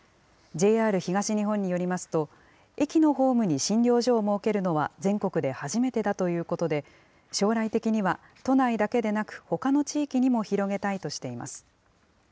ＪＲ東日本によりますと、駅のホームに診療所を設けるのは、全国で初めてだということで、将来的には、都内だけでなく、ほかの地域にも広げたいとしています。